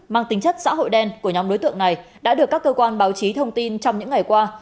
mang tính chất xã hội đen của nhóm đối tượng này đã được các cơ quan báo chí thông tin trong những ngày qua